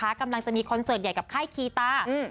แล้วนะคะกำลังจะมีคอนเสิร์ตใหญ่กับค่ายคีตาอืม